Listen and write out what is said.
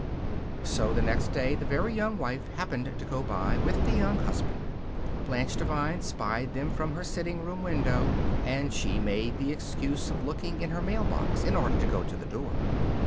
So the next day the Very Young Wife happened to go by with the Young Husband. Blanche Devine spied them from her sitting room window, and she made the excuse of looking in her mailbox in order to go to the door.